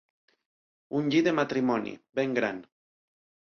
Un llit de matrimoni, ben gran.